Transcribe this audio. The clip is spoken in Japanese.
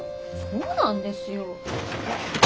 そうなんですよ。